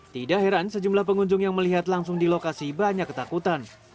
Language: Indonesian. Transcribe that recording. tidak heran sejumlah pengunjung yang melihat langsung di lokasi banyak ketakutan